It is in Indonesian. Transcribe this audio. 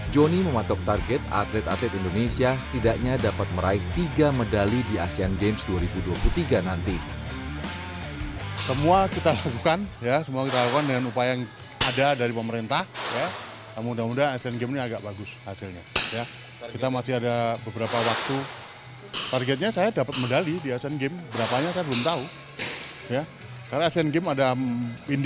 joni mematok target atlet atlet indonesia setidaknya dapat meraih tiga medali di asean games dua ribu dua puluh tiga nanti